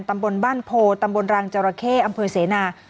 ตำบลบ้านโพตำบลรังจราเข้อำเภอเสนา